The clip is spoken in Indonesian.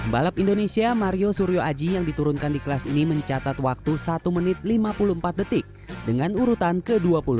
balap indonesia mario suryo aji yang diturunkan di kelas ini mencatat waktu satu menit lima puluh empat detik dengan urutan ke dua puluh empat